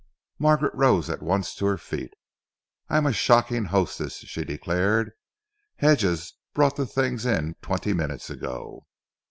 Margaret rose at once to her feet. "I am a shocking hostess," she declared. "Hedges brought the things in twenty minutes ago."